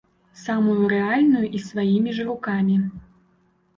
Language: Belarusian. Самую рэальную і сваімі ж рукамі.